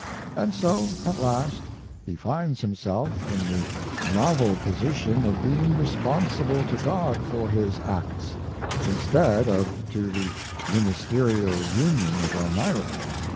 And so, at last, he finds himself in the novel position of being responsible to God for his acts, instead of to the Ministerial Union of Elmira.